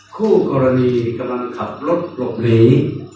คู่กรณีกำลังขับรถหลบหนี